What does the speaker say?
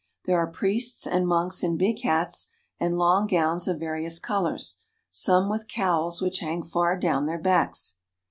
There are priests and monks in big hats and long gowns of various colors, some with cowls which hang far down their backs.